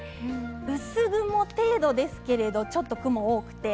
薄雲程度ですけどちょっと雲が多くて。